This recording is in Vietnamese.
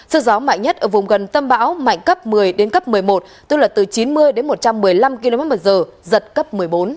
sự gió mạnh nhất ở vùng gần tâm bão mạnh cấp một mươi đến cấp một mươi một tức là từ chín mươi đến một trăm một mươi năm kmh giật cấp một mươi bốn